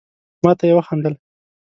ما ته يي وخندل.